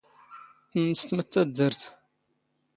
ⵜⵏⵏⵙⵜⵎ ⴷ ⵜⴰⴷⴷⴰⵔⵜ.